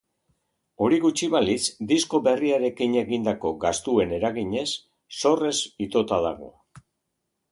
Hori gutxi balitz, disko berriarekin egindako gastuen eraginez, zorrez itota dago.